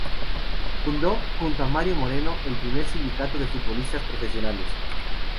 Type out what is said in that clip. Fundó, junto a Mario Moreno, el primer Sindicato de Futbolistas Profesionales.